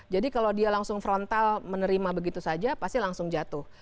jadi kalau dia langsung frontal menerima begitu saja pasti langsung jatuh